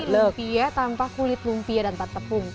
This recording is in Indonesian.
lumpia tanpa kulit lumpia dan empat tepung